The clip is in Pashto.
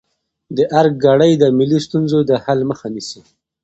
د ارګ کړۍ د ملي ستونزو د حل مخه نیسي.